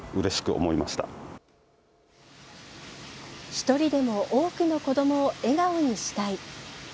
１人でも多くの子どもを笑顔にしたい。